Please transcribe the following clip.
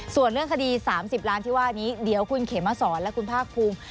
ส่วนเรื่องคดี๓๐ล้านที่ว่านี้เดี๋ยวคุณเขมสอนและคุณภาคภูมิ